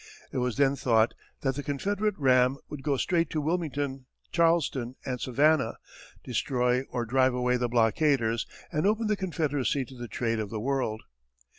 It was then thought that the Confederate ram would go straight to Wilmington, Charleston, and Savannah, destroy or drive away the blockaders, and open the Confederacy to the trade of the world.